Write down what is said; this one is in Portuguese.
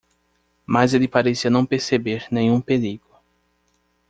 Mas ele parecia não perceber nenhum perigo.